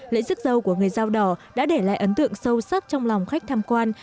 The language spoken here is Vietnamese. lễ rước dâu của người dao đỏ đã để lại ấn tượng sâu sắc trong lòng khách tham quan